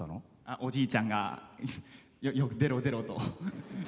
おじいちゃんが「出ろ出ろ」と。